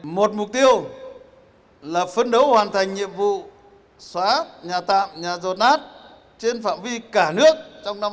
một mục tiêu là phân đấu hoàn thành nhiệm vụ xóa nhà tạm nhà rột nát trên phạm vi cả nước trong năm hai nghìn một mươi năm